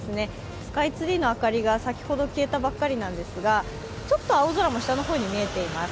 スカイツリーの明かりが先ほど消えたばかりなんですがちょっと青空も下の方に見えています。